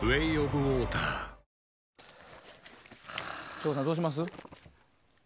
省吾さん、どうします？